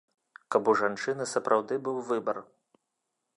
Каб у жанчыны сапраўды быў выбар.